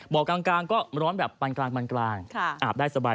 บ่อกลางก็ร้อนแบบปันกลางอาบได้สบาย